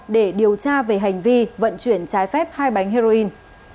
để điều tra về hành vi vận chuyển trái phép hai bánh heroin